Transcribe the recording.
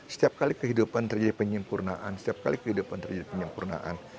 setiap kali kehidupan terjadi penyempurnaan setiap kali kehidupan terjadi penyempurnaan